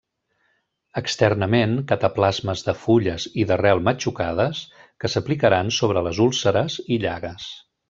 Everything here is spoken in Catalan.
Externament, cataplasmes de fulles i d'arrel matxucades, que s'aplicaran sobre les úlceres i llagues.